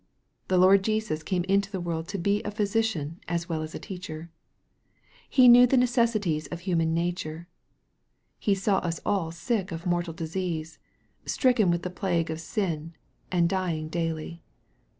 The Lord Jesus came into the world to be a physician as well as a teacher. He knew the necessities of human nature. He saw us all sick of a mortal disease, stricken with the plague of sin, and dying daily.